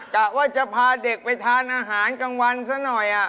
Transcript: กะว่าจะพาเด็กไปทานอาหารกลางวันซะหน่อย